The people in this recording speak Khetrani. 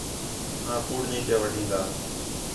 آں کُوڑ نہی پِیا وڈھین٘دا